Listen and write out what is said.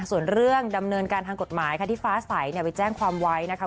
ส่วนเรื่องดำเนินการทางกฎหมายค่ะที่ฟ้าใสไปแจ้งความไว้นะคะ